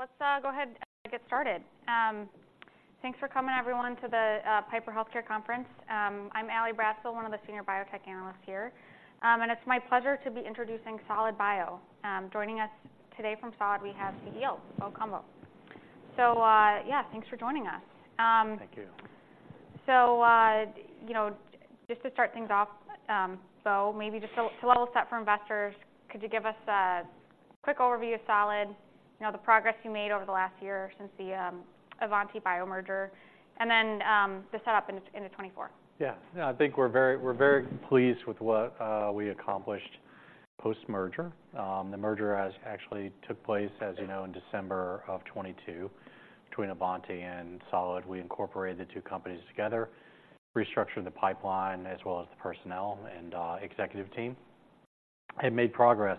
Let's go ahead and get started. Thanks for coming everyone to the Piper Sandler Healthcare Conference. I'm Allie Bratzel, one of the senior biotech analysts here. It's my pleasure to be introducing Solid Bio. Joining us today from Solid, we have the CEO, Bo Cumbo. Yeah, thanks for joining us. Thank you. So, you know, just to start things off, so maybe just to level set for investors, could you give us a quick overview of Solid, you know, the progress you made over the last year since the AavantiBio merger, and then the setup into 2024? Yeah. I think we're very pleased with what we accomplished post-merger. The merger has actually took place, as you know, in December of 2022 between AavantiBio and Solid. We incorporated the two companies together, restructured the pipeline, as well as the personnel and executive team, and made progress.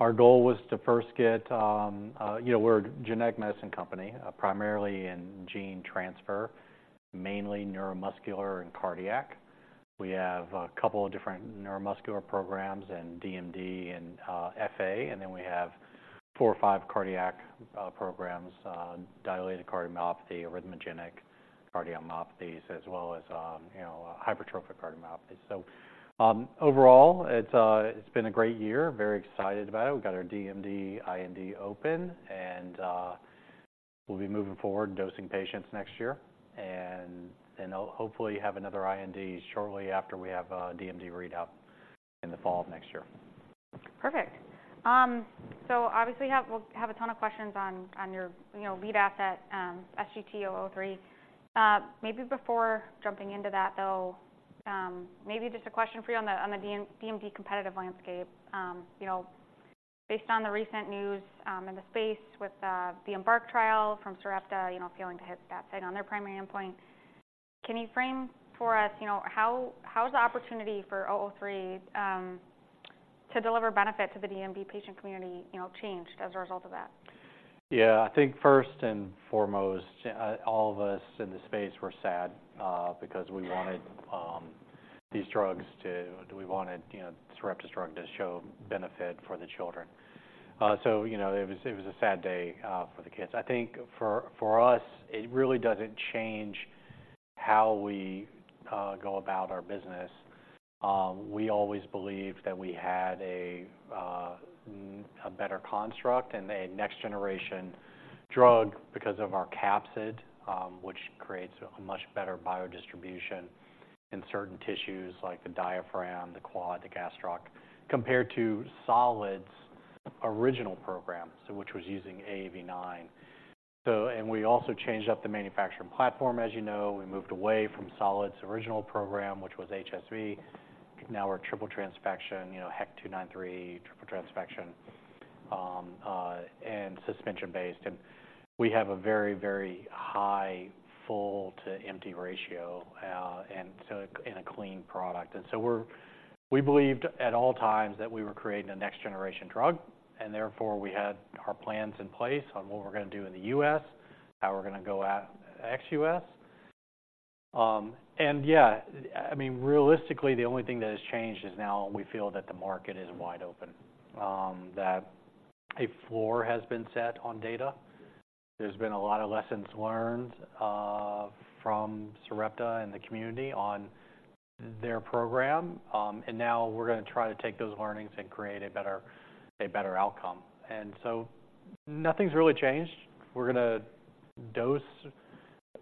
Our goal was to first get. You know, we're a genetic medicine company, primarily in gene transfer, mainly neuromuscular and cardiac. We have a couple of different neuromuscular programs in DMD and FA, and then we have four or five cardiac programs, dilated cardiomyopathy, arrhythmogenic cardiomyopathies, as well as, you know, hypertrophic cardiomyopathy. So, overall, it's been a great year. Very excited about it. We've got our DMD IND open, and we'll be moving forward dosing patients next year. Hopefully have another IND shortly after we have a DMD readout in the fall of next year. Perfect. So obviously, we have, we have a ton of questions on, on your, you know, lead asset, SGT-003. Maybe before jumping into that, though, maybe just a question for you on the, on the DMD competitive landscape. You know, based on the recent news, in the space with, the EMBARK trial from Sarepta, you know, failing to hit stat sig on their primary endpoint, can you frame for us, you know, how, how is the opportunity for SGT-003, to deliver benefit to the DMD patient community, you know, changed as a result of that? Yeah. I think first and foremost, all of us in the space were sad, because we wanted these drugs we wanted, you know, Sarepta's drug to show benefit for the children. So, you know, it was, it was a sad day, for the kids. I think for, for us, it really doesn't change how we go about our business. We always believed that we had a, a better construct and a next-generation drug because of our capsid, which creates a much better biodistribution in certain tissues like the diaphragm, the quad, the gastroc, compared to Solid's original program, so which was using AAV9. And we also changed up the manufacturing platform. As you know, we moved away from Solid's original program, which was HSV. Now we're triple transfection, you know, HEK293 triple transfection, and suspension-based. And we have a very, very high full-to-empty ratio, and so, and a clean product. And so we believed at all times that we were creating a next-generation drug, and therefore, we had our plans in place on what we're gonna do in the U.S., how we're gonna go at ex-U.S. And yeah, I mean, realistically, the only thing that has changed is now we feel that the market is wide open, that a floor has been set on data. There's been a lot of lessons learned, from Sarepta and the community on their program, and now we're gonna try to take those learnings and create a better, a better outcome. And so nothing's really changed. We're gonna dose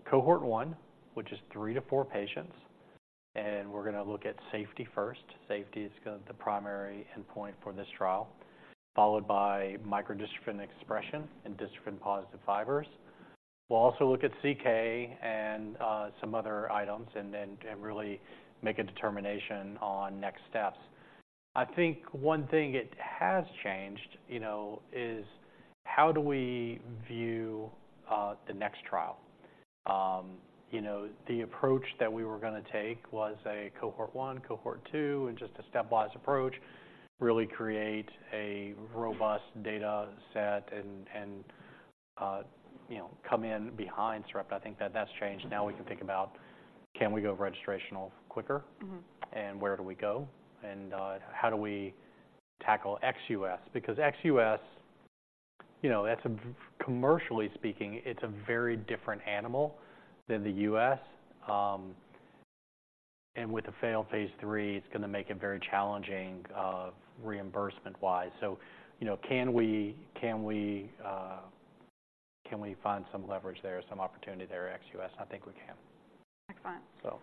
cohort 1, which is three to four patients, and we're gonna look at safety first. Safety is the primary endpoint for this trial, followed by microdystrophin expression and dystrophin-positive fibers. We'll also look at CK and some other items and then and really make a determination on next steps. I think one thing it has changed, you know, is how do we view the next trial? You know, the approach that we were gonna take was a cohort 1, cohort 2, and just a stepwise approach, really create a robust data set and and you know come in behind Sarepta. I think that that's changed. Now we can think about, can we go registrational quicker? Mm-hmm. Where do we go, and how do we tackle ex-U.S.? Because ex-U.S., you know, that's, commercially speaking, it's a very different animal than the U.S. And with the failed phase III, it's gonna make it very challenging, reimbursement-wise. So, you know, can we, can we, can we find some leverage there, some opportunity there, ex-U.S.? I think we can. Excellent. So...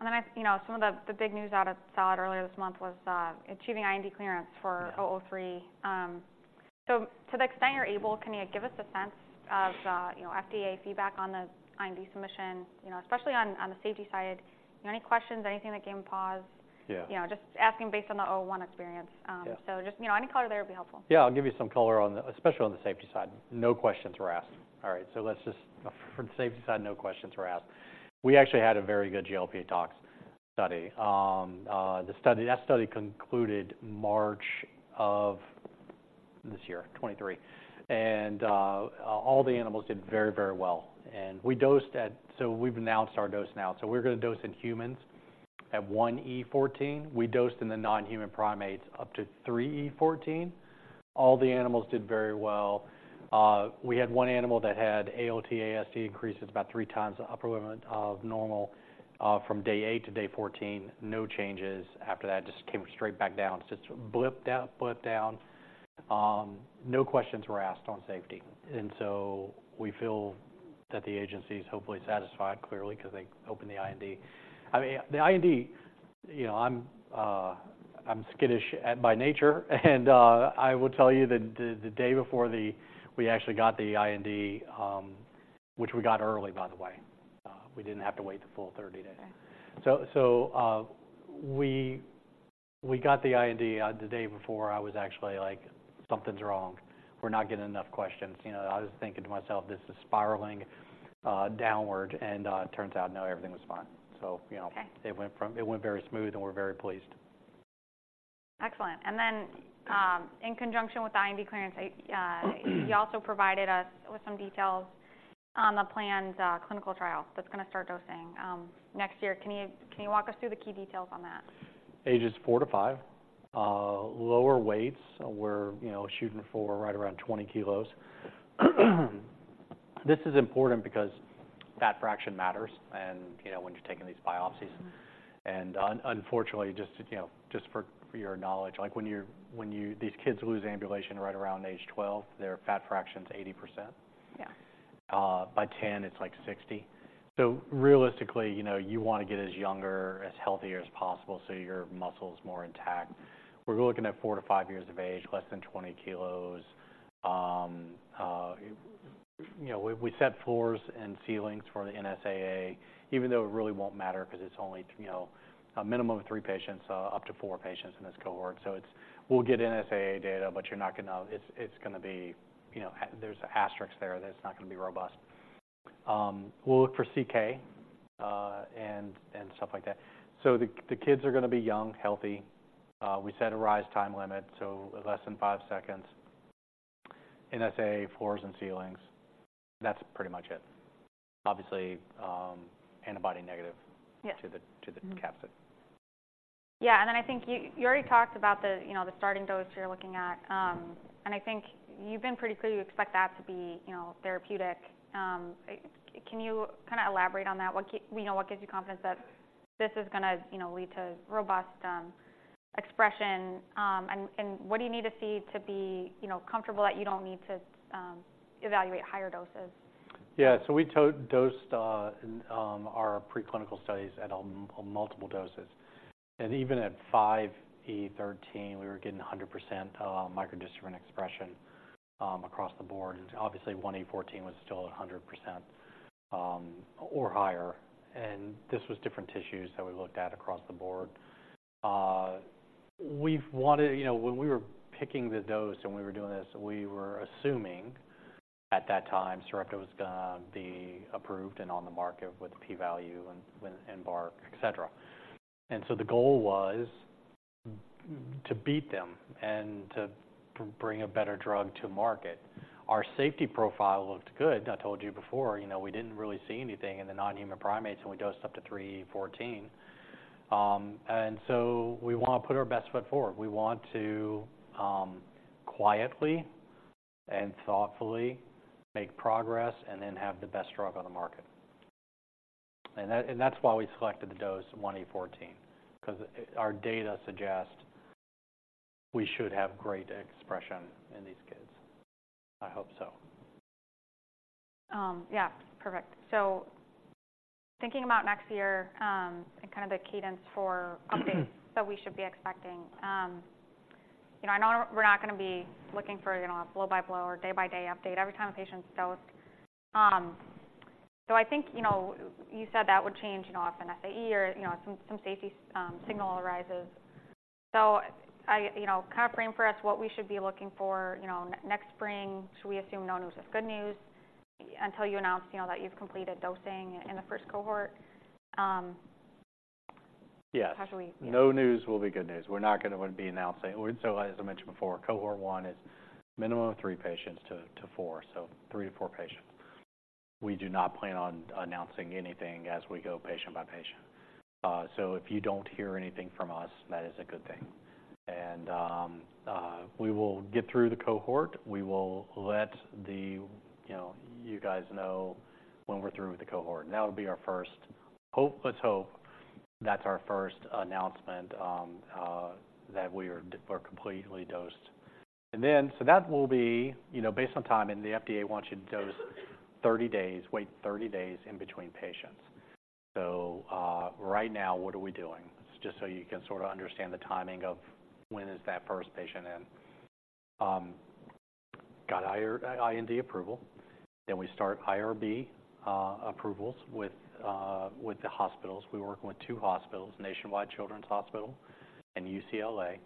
And then, you know, some of the big news out of Solid earlier this month was achieving IND clearance for- Yeah... SGT-003. So to the extent you're able, can you give us a sense of the, you know, FDA feedback on the IND submission, you know, especially on, on the safety side? Any questions, anything that gave them pause? Yeah. You know, just asking based on the 001 experience. Yeah. Just, you know, any color there would be helpful. Yeah, I'll give you some color on especially on the safety side. No questions were asked. All right, so let's just... From the safety side, no questions were asked. We actually had a very good GLP tox study. That study concluded March of this year, 2023, and all the animals did very, very well. And we dosed so we've announced our dose now. So we're gonna dose in humans at 1 E14, we dosed in the non-human primates up to 3 E14. All the animals did very well. We had one animal that had ALT, AST increases about three times the upper limit of normal, from day eight to day 14. No changes after that, just came straight back down. Just blip down, blip down. No questions were asked on safety. So we feel that the agency is hopefully satisfied, clearly, because they opened the IND. I mean, the IND, you know, I'm skittish by nature, and I will tell you that the day before we actually got the IND, which we got early, by the way, we didn't have to wait the full 30 days. Okay. We got the IND the day before. I was actually like: "Something's wrong. We're not getting enough questions." You know, I was thinking to myself, "This is spiraling downward," and it turns out, no, everything was fine. So, you know- Okay. It went very smooth, and we're very pleased. Excellent. And then, in conjunction with the IND clearance, you also provided us with some details on the planned clinical trial that's gonna start dosing next year. Can you walk us through the key details on that? Ages four to five, lower weights. We're, you know, shooting for right around 20 kilos. This is important because fat fraction matters and, you know, when you're taking these biopsies. Mm-hmm. Unfortunately, just, you know, for your knowledge, like, when these kids lose ambulation right around age 12, their fat fraction's 80%. Yeah. By 10, it's, like, 60. So realistically, you know, you want to get as younger, as healthier as possible, so your muscle is more intact. We're looking at four to five years of age, less than 20 kilos. You know, we set floors and ceilings for the NSAA, even though it really won't matter because it's only, you know, a minimum of three patients, up to four patients in this cohort. So it's... We'll get NSAA data, but you're not gonna... It's gonna be, you know, there's an asterisk there, that it's not gonna be robust. We'll look for CK, and stuff like that. So the kids are gonna be young, healthy. We set a rise time limit, so less than five seconds. NSAA, floors and ceilings. That's pretty much it. Obviously, antibody negative- Yeah to the capsid. Yeah, and then I think you already talked about the, you know, the starting dose you're looking at. And I think you've been pretty clear you expect that to be, you know, therapeutic. Can you kinda elaborate on that? What, you know, what gives you confidence that this is gonna, you know, lead to robust expression? And what do you need to see to be, you know, comfortable that you don't need to evaluate higher doses? Yeah. So we dosed our preclinical studies at on multiple doses. And even at 5E13, we were getting 100% microdystrophin expression across the board. Obviously, 1E14 was still at 100% or higher, and this was different tissues that we looked at across the board. We've wanted. You know, when we were picking the dose and we were doing this, we were assuming at that time, Sarepta was gonna be approved and on the market with the p-value and EMBARK, et cetera. So the goal was to beat them and to bring a better drug to market. Our safety profile looked good. I told you before, you know, we didn't really see anything in the non-human primates, and we dosed up to 3E14. And so we want to put our best foot forward. We want to quietly and thoughtfully make progress and then have the best drug on the market. And that's why we selected the dose 1E14, 'cause our data suggest we should have great expression in these kids. I hope so. Yeah, perfect. So thinking about next year, and kind of the cadence for updates that we should be expecting. You know, I know we're not gonna be looking for, you know, a blow-by-blow or day-by-day update every time a patient's dosed. So I think, you know, you said that would change, you know, if an SAE or, you know, some, some safety signal arises. So I... You know, kind of frame for us what we should be looking for, you know, next spring. Should we assume no news is good news until you announce, you know, that you've completed dosing in the first cohort? Yes. How should we- No news will be good news. We're not gonna be announcing... So as I mentioned before, cohort one is minimum of three patients to four, to three to four patients. We do not plan on announcing anything as we go patient by patient. So if you don't hear anything from us, that is a good thing. And we will get through the cohort. We will let you know, you know, you guys know when we're through with the cohort. And that'll be our first... Hope, let's hope that's our first announcement that we are, we're completely dosed. And then, so that will be, you know, based on time, and the FDA wants you to dose 30 days, wait 30 days in between patients. So right now, what are we doing? Just so you can sort of understand the timing of when is that first patient in. Got IND approval, then we start IRB approvals with the hospitals. We're working with two hospitals, Nationwide Children's Hospital and UCLA.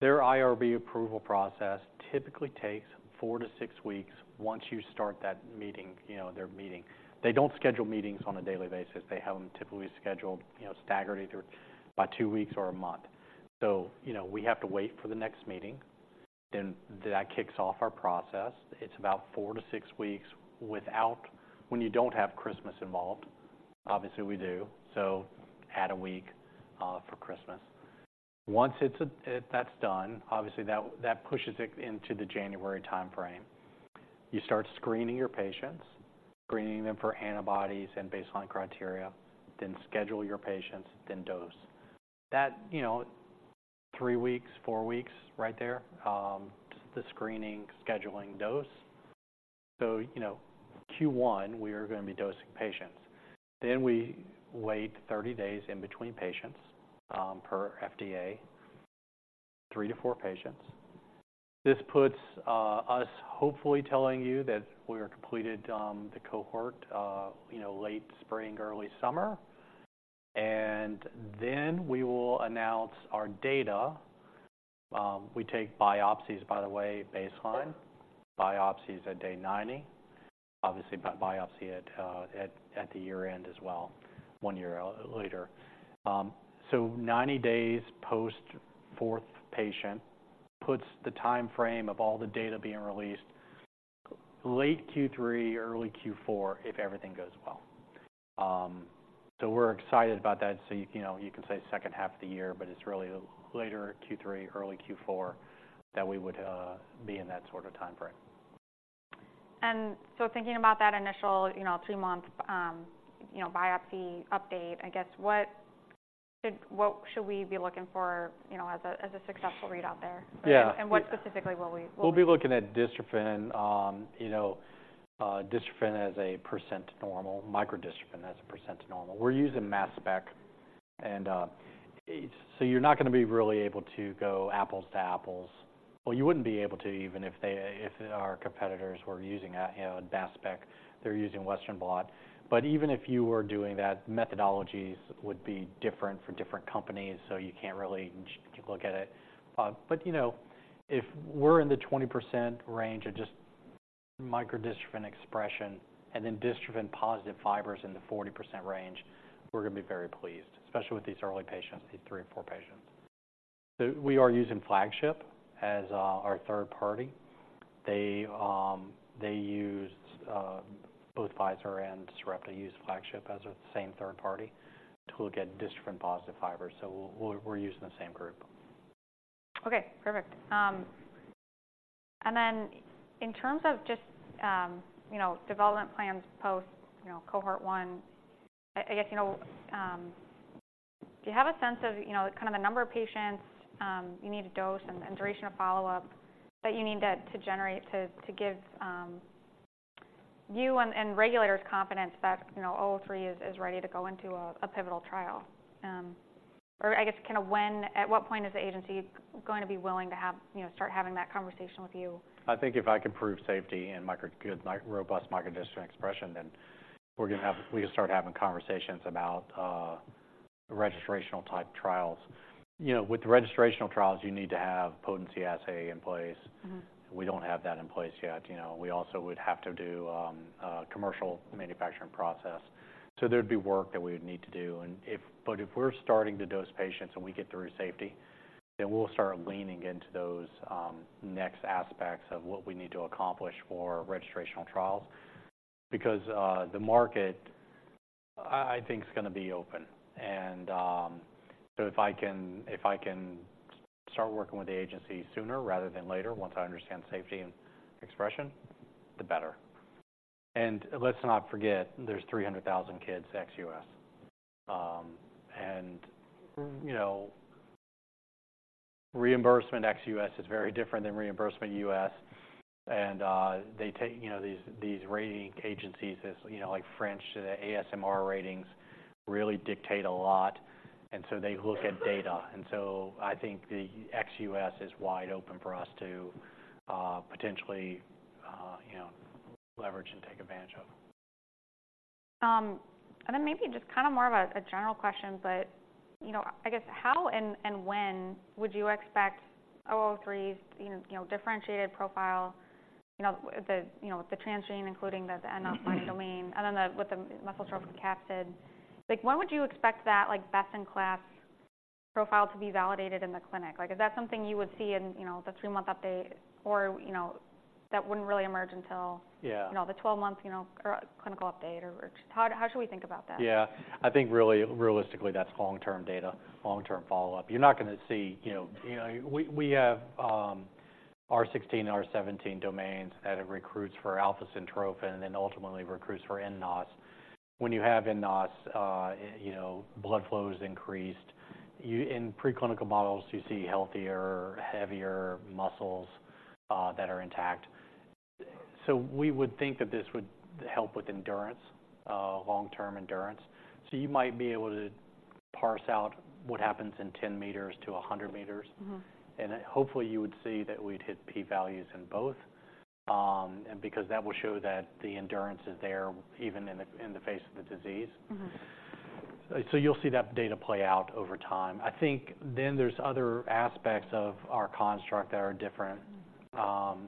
Their IRB approval process typically takes four to six weeks once you start that meeting, you know, their meeting. They don't schedule meetings on a daily basis. They have them typically scheduled, you know, staggered either by two weeks or a month. So, you know, we have to wait for the next meeting. Then that kicks off our process. It's about four to six weeks when you don't have Christmas involved. Obviously, we do, so add a week for Christmas. Once that's done, obviously, that pushes it into the January timeframe. You start screening your patients, screening them for antibodies and baseline criteria, then schedule your patients, then dose. That, you know, three weeks, four weeks right there, the screening, scheduling, dose. So, you know, Q1, we are gonna be dosing patients. Then we wait 30 days in between patients, per FDA, three to four patients. This puts us hopefully telling you that we are completed the cohort, you know, late spring, early summer, and then we will announce our data. We take biopsies, by the way, baseline, biopsies at day 90. Obviously, biopsy at the year-end as well, one year later. So, 90 days post 4th patient puts the timeframe of all the data being released late Q3, early Q4, if everything goes well. So we're excited about that. You know, you can say second half of the year, but it's really later Q3, early Q4, that we would be in that sort of timeframe. Thinking about that initial, you know, two-month, you know, biopsy update, I guess, what should we be looking for, you know, as a successful read out there? Yeah. What specifically will we? We'll be looking at dystrophin, you know, dystrophin as a percent normal, microdystrophin as a percent normal. We're using mass spec. So you're not gonna be really able to go apples to apples. Well, you wouldn't be able to, if our competitors were using, you know, mass spec, they're using Western Blot. But even if you were doing that, methodologies would be different for different companies, so you can't really look at it. But, you know, if we're in the 20% range of just microdystrophin expression and then dystrophin-positive fibers in the 40% range, we're gonna be very pleased, especially with these early patients, these three and four patients. So we are using Flagship as our third party. Both Pfizer and Sarepta use Flagship as the same third-party to look at dystrophin-positive fibers, so we're using the same group. Okay, perfect. And then in terms of just, you know, development plans post, you know, cohort one, I guess, you know, do you have a sense of, you know, kind of the number of patients you need to dose and duration of follow-up that you need to give you and regulators confidence that, you know, SGT-003 is ready to go into a pivotal trial? Or I guess, kind of, at what point is the agency going to be willing to have, you know, start having that conversation with you? I think if I can prove safety and microdystrophin expression, good, robust microdystrophin expression, then we're gonna have we can start having conversations about registrational type trials. You know, with the registrational trials, you need to have potency assay in place. Mm-hmm. We don't have that in place yet, you know. We also would have to do a commercial manufacturing process. So there'd be work that we would need to do. But if we're starting to dose patients and we get through safety, then we'll start leaning into those next aspects of what we need to accomplish for registrational trials because the market, I think, is gonna be open. And so if I can start working with the agency sooner rather than later, once I understand safety and expression, the better. And let's not forget, there's 300,000 kids ex-US. And you know, reimbursement ex-U.S. is very different than reimbursement U.S. And they take you know, these rating agencies, as you know, like French, the ASMR ratings, really dictate a lot, and so they look at data. And so I think the ex-U.S. is wide open for us to, potentially, you know, leverage and take advantage of. And then maybe just kind of more of a general question, but you know I guess how and when would you expect SGT-003, you know, differentiated profile, you know the transgene, including the nNOS domain, and then with the muscle-tropic capsid? Like, when would you expect that, like, best-in-class profile to be validated in the clinic? Like, is that something you would see in, you know, the three-month update or, you know, that wouldn't really emerge until- Yeah... you know, the 12-month, you know, clinical update? Or, or how, how should we think about that? Yeah. I think really, realistically, that's long-term data, long-term follow-up. You're not gonna see, you know... We have R16 and R17 domains that it recruits for alpha-syntrophin and then ultimately recruits for nNOS. When you have nNOS, you know, blood flow is increased. In preclinical models, you see healthier, heavier muscles that are intact. So we would think that this would help with endurance, long-term endurance. So you might be able to parse out what happens in 10m-100m. Mm-hmm. Hopefully, you would see that we'd hit p-values in both, and because that will show that the endurance is there even in the face of the disease. Mm-hmm. So you'll see that data play out over time. I think then there's other aspects of our construct that are different,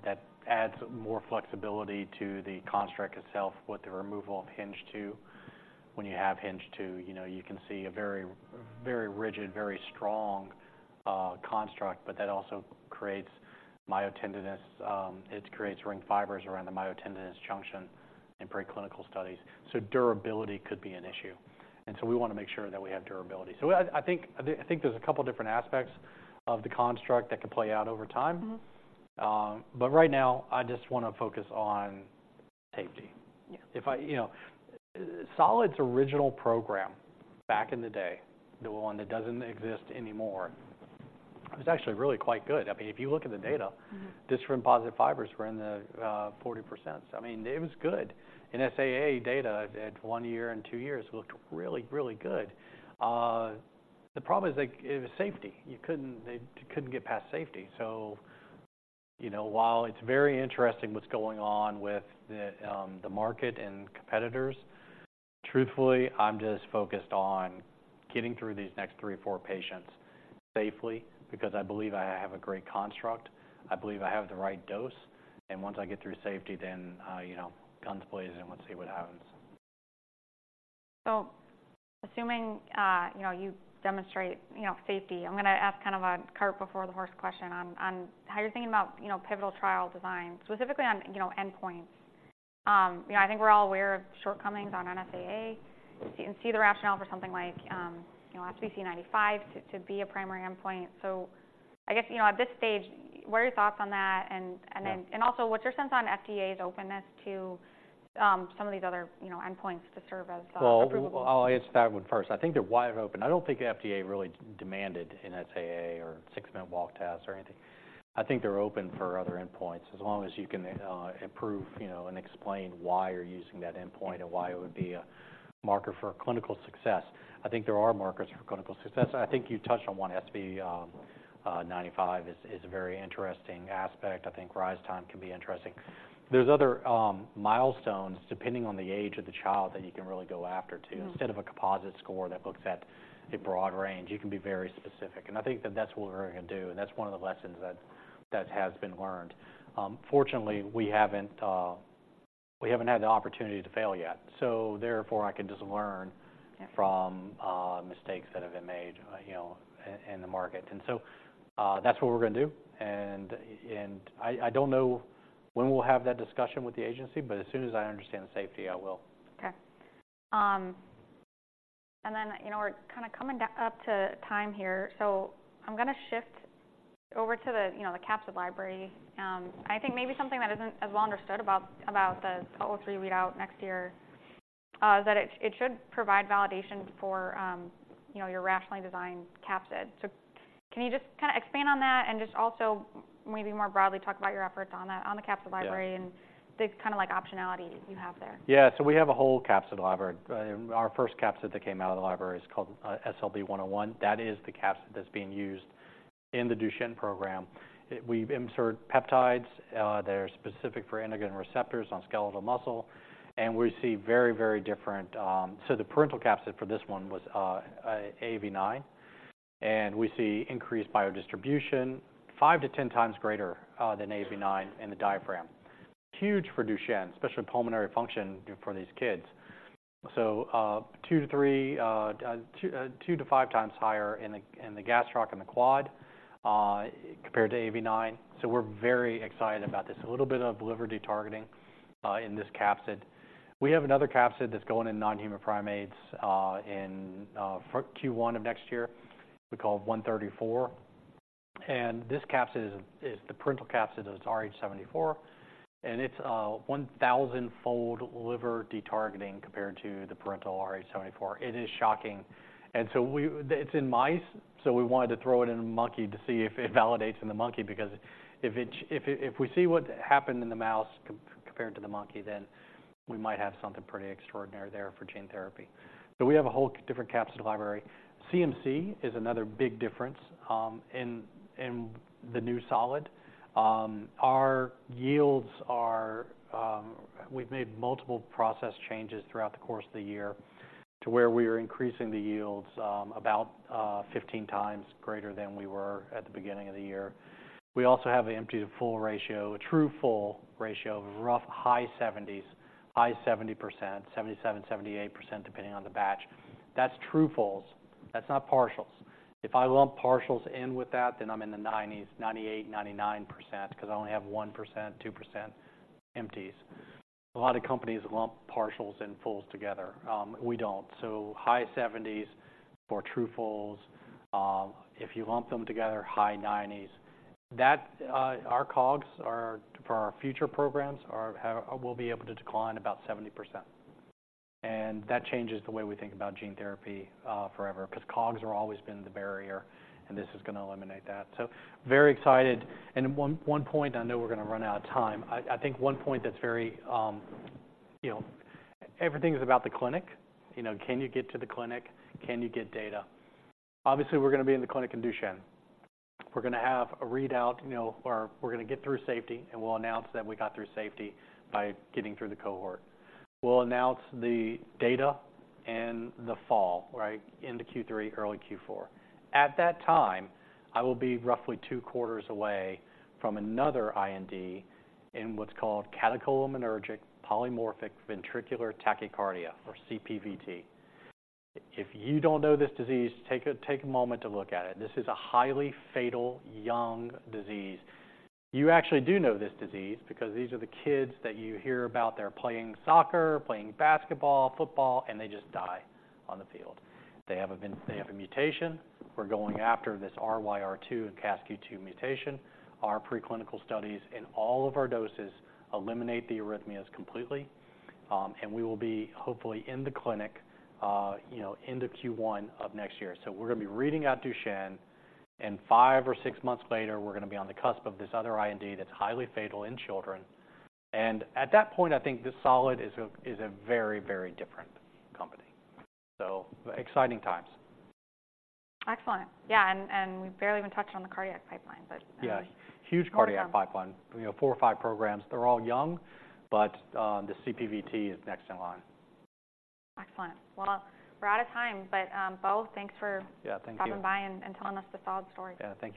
that adds more flexibility to the construct itself with the removal of hinge 2. When you have hinge 2, you know, you can see a very, very rigid, very strong construct, but that also creates myotendinous. It creates ring fibers around the myotendinous junction in preclinical studies. So durability could be an issue, and so we want to make sure that we have durability. So I think there's a couple different aspects of the construct that could play out over time. Mm-hmm. But right now, I just want to focus on safety. Yeah. If I, you know, Solid's original program back in the day, the one that doesn't exist anymore, it was actually really quite good. I mean, if you look at the data- Mm-hmm. Dystrophin-positive fibers were in the 40%. I mean, it was good. And SAA data at one year and two years looked really, really good. The problem is that it was safety. You couldn't, they couldn't get past safety. So, you know, while it's very interesting what's going on with the market and competitors, truthfully, I'm just focused on getting through these next three or four patients safely because I believe I have a great construct. I believe I have the right dose, and once I get through safety, then, you know, guns blazing, and let's see what happens. So assuming, you know, you demonstrate, you know, safety, I'm gonna ask kind of a cart before the horse question on how you're thinking about, you know, pivotal trial design, specifically on, you know, endpoints. You know, I think we're all aware of shortcomings on NSAA and see the rationale for something like, you know, SV95C to be a primary endpoint. So I guess, you know, at this stage, what are your thoughts on that? And then- Yeah... and also, what's your sense on FDA's openness to some of these other, you know, endpoints to serve as- Well- Approvable? I'll answer that one first. I think they're wide open. I don't think FDA really demanded NSAA or six-minute walk test or anything. I think they're open for other endpoints as long as you can improve, you know, and explain why you're using that endpoint and why it would be a marker for clinical success. I think there are markers for clinical success. I think you touched on one, SV95 is a very interesting aspect. I think rise time can be interesting. There's other milestones, depending on the age of the child, that you can really go after, too. Mm-hmm. Instead of a composite score that looks at a broad range, you can be very specific, and I think that that's what we're gonna do, and that's one of the lessons that has been learned. Fortunately, we haven't, we haven't had the opportunity to fail yet, so therefore, I can just learn- Okay... from mistakes that have been made, you know, in the market. And so, that's what we're gonna do. And I don't know when we'll have that discussion with the agency, but as soon as I understand the safety, I will. Okay. And then, you know, we're kinda coming up on time here, so I'm gonna shift over to the, you know, the capsid library. I think maybe something that isn't as well understood about the SGT-003 readout next year, that it should provide validation for, you know, your rationally designed capsid. So can you just kinda expand on that and just also maybe more broadly talk about your efforts on the, on the capsid library- Yeah... and the kinda like optionality you have there? Yeah. So we have a whole capsid library. And our first capsid that came out of the library is called SLB101. That is the capsid that's being used in the Duchenne program. It... We've inserted peptides that are specific for antigen receptors on skeletal muscle, and we see very, very different. So the parental capsid for this one was AAV9, and we see increased biodistribution 5-10 times greater than AAV9 in the diaphragm. Huge for Duchenne, especially pulmonary function for these kids. So, 2-3, 2-5 times higher in the gastroc and the quad compared to AAV9. So we're very excited about this. A little bit of liver detargeting in this capsid. We have another capsid that's going in non-human primates in Q1 of next year. We call it 134, and this capsid is the parental capsid of Rh74, and it's a 1,000-fold liver detargeting compared to the parental Rh74. It is shocking. And so it's in mice, so we wanted to throw it in a monkey to see if it validates in the monkey, because if we see what happened in the mouse compared to the monkey, then we might have something pretty extraordinary there for gene therapy. So we have a whole different capsid library. CMC is another big difference in the new Solid. Our yields are, we've made multiple process changes throughout the course of the year to where we are increasing the yields, about 15 times greater than we were at the beginning of the year. We also have an empty-to-full ratio, a true full ratio of roughly high 70s, high 70%, 77%-78%, depending on the batch. That's true fulls. That's not partials. If I lump partials in with that, then I'm in the 90s, 98%-99%, 'cause I only have 1%-2% empties. A lot of companies lump partials and fulls together. We don't. So high 70s for true fulls. If you lump them together, high 90s. That our COGS for our future programs will be able to decline about 70%, and that changes the way we think about gene therapy forever, 'cause COGS are always been the barrier, and this is gonna eliminate that. So very excited. And one point, I know we're gonna run out of time. I think one point that's very, you know, everything is about the clinic. You know, can you get to the clinic? Can you get data? Obviously, we're gonna be in the clinic in Duchenne. We're gonna have a readout, you know, or we're gonna get through safety, and we'll announce that we got through safety by getting through the cohort. We'll announce the data in the fall, right into Q3, early Q4. At that time, I will be roughly two quarters away from another IND in what's called catecholaminergic polymorphic ventricular tachycardia, or CPVT. If you don't know this disease, take a moment to look at it. This is a highly fatal young disease. You actually do know this disease because these are the kids that you hear about. They're playing soccer, playing basketball, football, and they just die on the field. They have a mutation. We're going after this RYR2 and CASQ2 mutation. Our preclinical studies in all of our doses eliminate the arrhythmias completely. And we will be hopefully in the clinic, you know, into Q1 of next year. So we're gonna be reading out Duchenne, and five or six months later, we're gonna be on the cusp of this other IND that's highly fatal in children. At that point, I think this Solid is a, is a very, very different company. So exciting times. Excellent. Yeah, and, and we've barely even touched on the cardiac pipeline, but- Yes. Huge- Huge cardiac pipeline. You know, four or five programs. They're all young, but, the CPVT is next in line. Excellent. Well, we're out of time, but, Bo, thanks for- Yeah, thank you.... dropping by and telling us the Solid story. Yeah. Thank you.